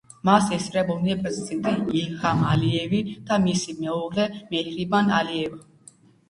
მას ესწრებოდნენ პრეზიდენტი ილჰამ ალიევი და მისი მეუღლე მეჰრიბან ალიევა.